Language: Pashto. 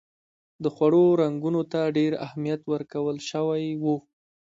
د خوړو رنګونو ته ډېر اهمیت ورکول شوی و.